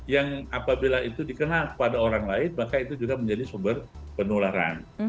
yang apabila itu dikenal pada orang lain maka itu juga menjadi sumber penularan